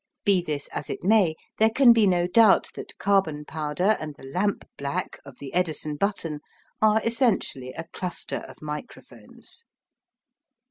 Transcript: Be this as it may, there can be no doubt that carbon powder and the lamp black of the Edison button are essentially a cluster of microphones.